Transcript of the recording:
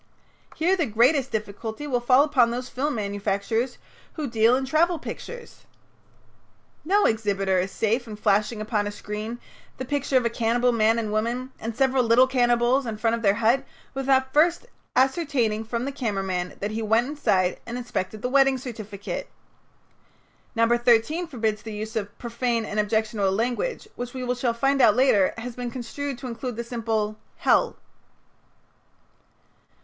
Here the greatest difficulty will fall upon those film manufacturers who deal in travel pictures. No exhibitor is safe in flashing upon a screen the picture of a cannibal man and woman and several little cannibals in front of their hut without first ascertaining from the camera man that he went inside and inspected the wedding certificate. No. 13 forbids the use of "profane and objectionable language," which we shall find later has been construed to include the simple "Hell."